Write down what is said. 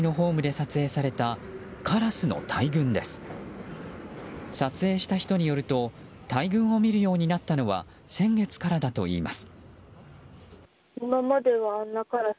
撮影した人によると大群を見るようになったのは先月からだといいます。